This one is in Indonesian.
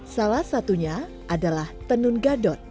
salah satunya adalah tenun gadot